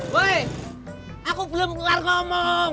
weh aku belum keluar ngomong